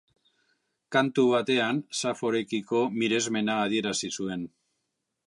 Kantu batean Saforekiko miresmena adierazi zuen.